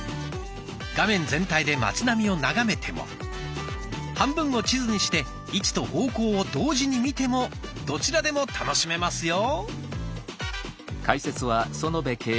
画面全体で町並みを眺めても半分を地図にして位置と方向を同時に見てもどちらでも楽しめますよ。